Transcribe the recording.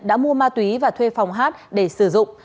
đã mua ma túy và thuê phòng hát để sử dụng